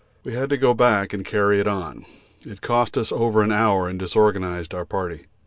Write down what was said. We had to go back and carry it on. It cost us over an hour and disorganised our party.